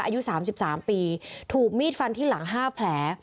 อายุ๓๓ปีถูกมีดฟันที่หลัง๕แผล